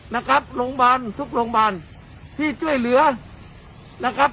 นะครับโรงพยาบาลทุกโรงพยาบาลที่ช่วยเหลือนะครับ